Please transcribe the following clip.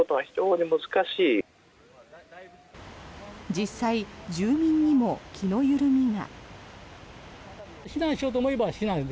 実際、住民にも気の緩みが。